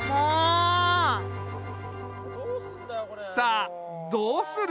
さあどうする？